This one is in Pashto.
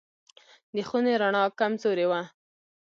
د خونې رڼا کمزورې وه.